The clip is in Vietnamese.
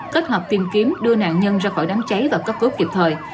kết hợp tìm kiếm đưa nạn nhân ra khỏi đám cháy và cấp cứu kịp thời